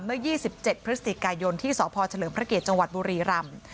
เมื่อ๒๗พฤศจิกายนที่สพเฉลิมพระเกียรติจังหวัดบุรีรำ